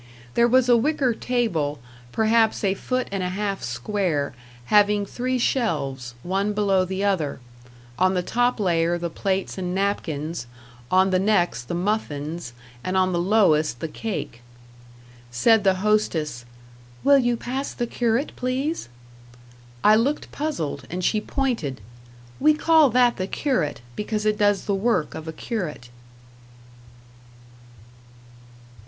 There was a wicker table, perhaps a foot and a half square, having three shelves, one below the other on the top layer the plates and napkins, on the next the muffins, and on the lowest the cake. Said the hostess, "Will you pass the curate, please?" I looked puzzled, and she pointed. "We call that the curate, because it does the work of a curate."